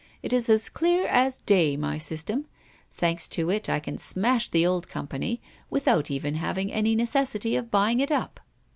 It is as clear as day, my system. Thanks to it, I can smash the old company, without even having any necessity of buying it up."